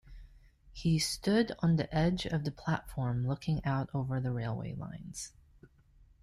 He stood on the edge of the platform, looking out over the railway lines.